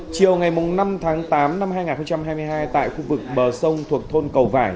chiều ngày năm tháng tám năm hai nghìn hai mươi hai tại khu vực bờ sông thuộc thôn cầu vải